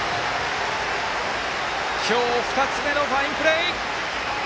今日２つ目のファインプレー！